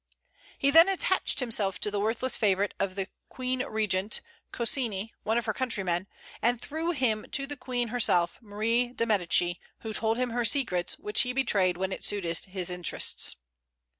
He then attached himself to the worthless favorite of the Queen regent, Concini, one of her countrymen; and through him to the Queen herself, Marie de Medicis, who told him her secrets, which he betrayed when it suited his interests.